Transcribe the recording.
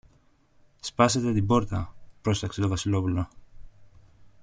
Σπάσετε την πόρτα, πρόσταξε το Βασιλόπουλο.